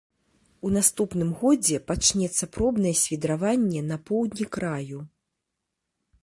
У наступным годзе пачнецца пробнае свідраванне на поўдні краю.